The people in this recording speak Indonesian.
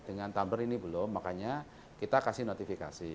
dengan tumbr ini belum makanya kita kasih notifikasi